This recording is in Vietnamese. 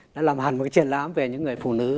đã làm hành một cái triển lãm về những người phụ nữ